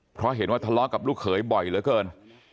เพราะเห็นว่าทะเลาะกับลูกเขยบ่อยเหลือเกิน